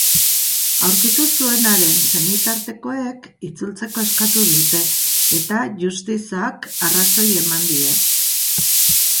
Aurkitu zuenaren senitartekoek itzultzeko eskatu dute, eta justizak arrazoi eman die.